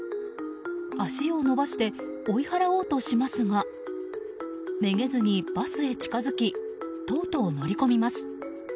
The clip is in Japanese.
足を伸ばして追い払おうとしますがめげずにバスに近づきとうとう乗り込みます。